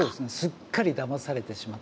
すっかりだまされてしまった。